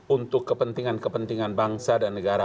untuk kepentingan kepentingan bangsa dan negara